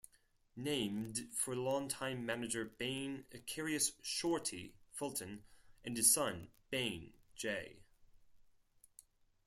Named for longtime manager Bain Ecarius "Shorty" Fulton and his son Bain J.